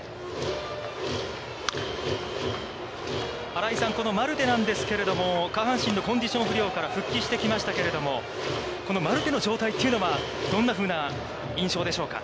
新井さん、このマルテなんですけれども、下半身のコンディション不良から復帰してきましたけども、このマルテの状態というのはどんなふうな印象でしょうか。